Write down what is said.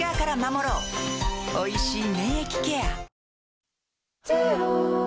おいしい免疫ケア